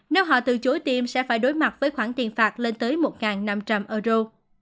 nếu họ từ chối tiêm sẽ phải đối mặt với khoản tiền phạt lên tới một năm trăm linh euro